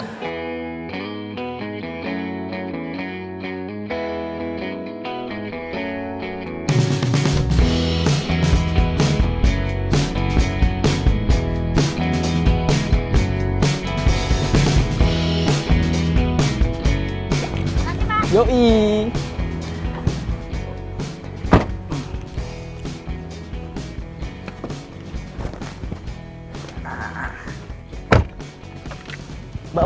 terima kasih pak